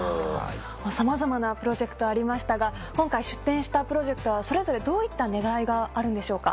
さまざまなプロジェクトありましたが今回出展したプロジェクトはそれぞれどういった狙いがあるんでしょうか？